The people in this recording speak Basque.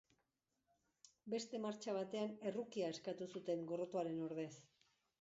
Beste martxa batean, errukia eskatu zuten gorrotoaren ordez.